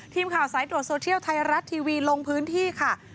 ทีมข่าวสายตรวจโซเทียลไทยรัฐทีวีลงพื้นที่ค่ะ